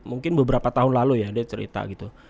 mungkin beberapa tahun lalu ya dia cerita gitu